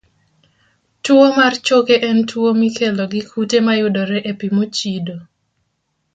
Tuwo mar choke en tuwo mikelo gi kute mayudore e pi mochido.